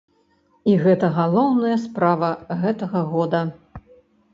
І гэта галоўная справа гэтага года.